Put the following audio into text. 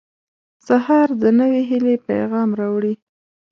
• سهار د نوې هیلې پیغام راوړي.